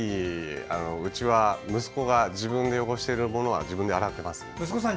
うちは息子が自分で汚したものは自分で洗ってます。